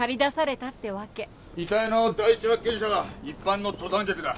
遺体の第一発見者は一般の登山客だ。